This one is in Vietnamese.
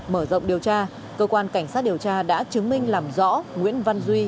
mở rộng điều tra cơ quan cảnh sát điều tra đã chứng minh làm rõ nguyễn văn duy